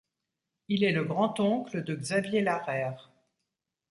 Il est le grand-oncle de Xavier Larère.